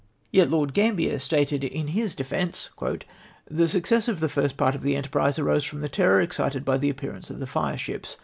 Yet Lord Gambler stated in his defence, " The success of the first part of the enterprise arose from the terror excited by the appearance of the fireships